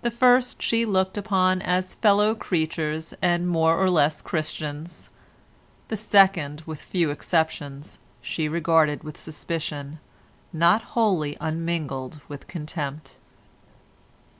The first she looked upon as fellow creatures and more or less Christians, the second, with few exceptions, she regarded with suspicion, not wholly unmingled with contempt.